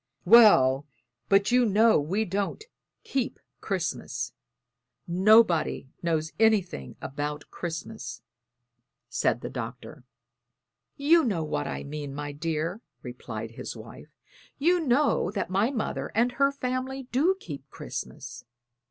"Well, but you know we don't keep Christmas; nobody knows anything about Christmas," said the Doctor. "You know what I mean, my dear," replied his wife. "You know that my mother and her family do keep Christmas.